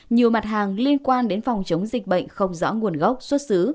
nhiều mặt hàng liên quan đến phòng chống dịch bệnh không rõ nguồn gốc xuất xứ